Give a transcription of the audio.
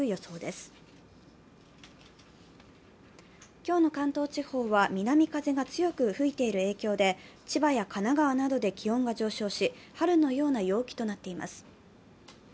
今日の関東地方は南風が強く吹いている影響で千葉や神奈川などで気温が上昇し、春のような陽気となっています。